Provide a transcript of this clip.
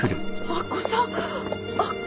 明子さん。